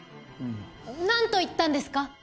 何と言ったんですか？